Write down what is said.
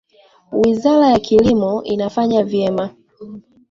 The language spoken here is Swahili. Wizara ya kilimo inafanya vyema